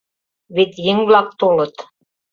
Вет еҥ-влак толыт.